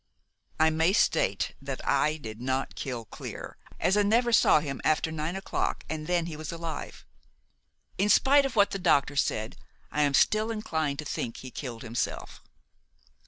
"I may state that I did not kill Clear, as I never saw him after nine o'clock, and then he was alive. In spite of what the doctor said, I am still inclined to think he killed himself.